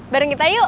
bareng kita yuk